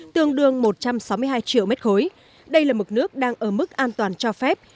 tương đương một trăm sáu mươi hai triệu mét khối đây là mực nước đang ở mức an toàn cho phép